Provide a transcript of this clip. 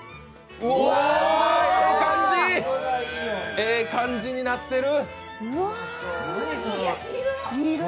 ええ感じになってる！